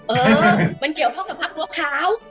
เออมันเกี่ยวข้องกับภาคพวกขาว